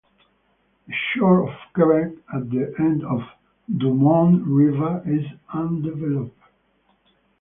The shore of Quebec at the end of the Dumoine River is undeveloped.